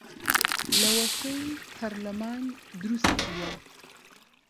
لەوەتەی پەرلەمان دروست بووە